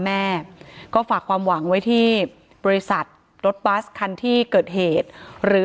แม่ก็ฝากความหวังไว้ที่บริษัทรถบัสคันที่เกิดเหตุหรือ